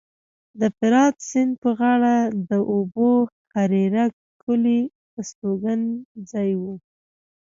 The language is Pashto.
د فرات سیند په غاړه د ابوهریره کلی هستوګنځی و